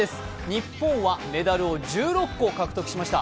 日本はメダルを１６個獲得しました。